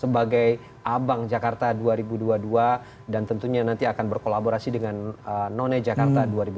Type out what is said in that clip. sebagai abang jakarta dua ribu dua puluh dua dan tentunya nanti akan berkolaborasi dengan none jakarta dua ribu dua puluh